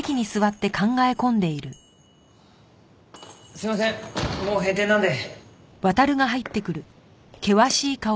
すいませんもう閉店なんで。